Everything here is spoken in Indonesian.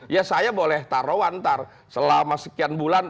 ya saya boleh taruh antar selama sekian bulan